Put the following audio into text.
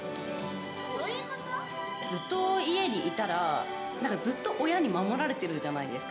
ずっと家にいたら、なんかずっと親に守られてるじゃないですか。